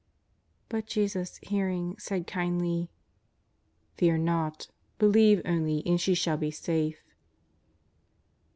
But Jesus hearing said kindly ;" Fear not, believe only and she shall be safe."